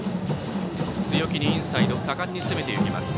強気にインサイド果敢に攻めていきます